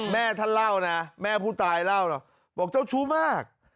แม่ท่านเล่านะแม่ผู้ตายเล่านะบอกเจ้าชู้มาก